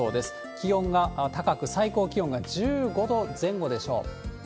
気温が高く、最高気温が１５度前後でしょう。